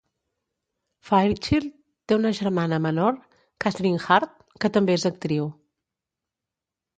Fairchild té una germana menor, Cathryn Hartt, que també és actriu.